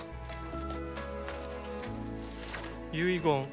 「遺言。